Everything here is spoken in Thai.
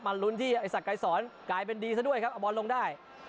ลุ้นที่ไอ้สักไกรสอนกลายเป็นดีซะด้วยครับเอาบอลลงได้